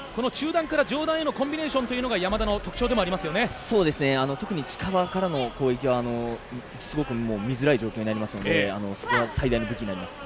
この上段へのコンビネーションが近場からの攻撃はすごく見づらい状況になりますのでそこは最大の武器になります。